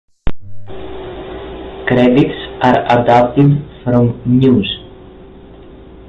Credits are adapted from Muze.